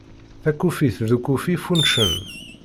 Takufit d ukufi ffuncen.